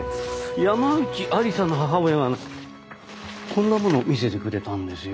山内愛理沙の母親がこんなものを見せてくれたんですよ。